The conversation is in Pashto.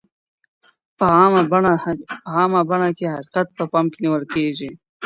په علمي پلټنه کي حقایق په پام کي نیول کیږي.